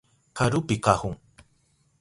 Karupi kahun.